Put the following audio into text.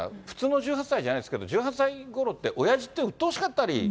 普通の１８歳じゃないですけど、１８歳ごろって、おやじってうっとうしかったり。